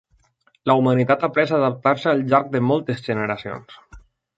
La humanitat ha après a adaptar-se al llarg de moltes generacions.